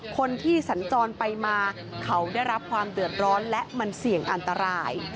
คนที่สัญจรไปมาเขาได้รับความเดือดร้อนและมันเสี่ยงอันตราย